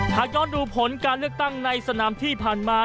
หากย้อนดูผลการเลือกตั้งในสนามที่ผ่านมา